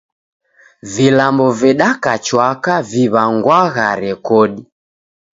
Vilambo vedaka chwaka viw'angwagha rekodi.